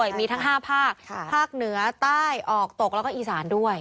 มีทั้ง๕ภาคภาคเหนือใต้ออกตกแล้วก็อีสานด้วย